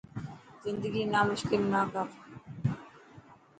زندگي نا موشڪل نه ڪر.